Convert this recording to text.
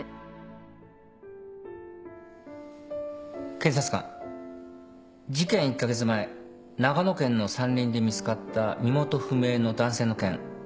検察官事件１カ月前長野県の山林で見つかった身元不明の男性の件話してください。